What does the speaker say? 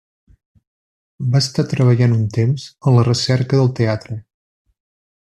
Va estar treballant un temps en la recerca del teatre.